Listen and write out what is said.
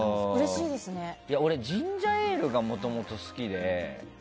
俺ジンジャーエールがもともと好きで。